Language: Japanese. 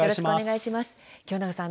清永さん